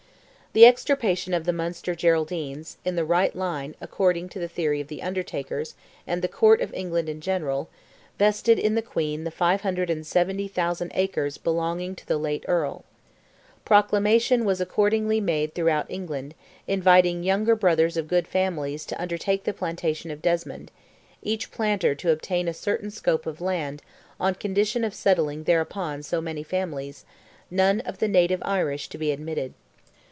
The extirpation of the Munster Geraldines, in the right line, according to the theory of the "Undertakers" and the Court of England in general, vested in the Queen the 570,000 acres belonging to the late Earl. Proclamation was accordingly made throughout England, inviting "younger brothers of good families" to undertake the plantation of Desmond—each planter to obtain a certain scope of land, on condition of settling thereupon so many families—"none of the native Irish to be admitted."